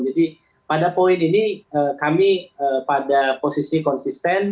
jadi pada poin ini kami pada posisi konsisten